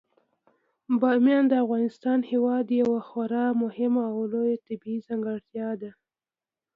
بامیان د افغانستان هیواد یوه خورا مهمه او لویه طبیعي ځانګړتیا ده.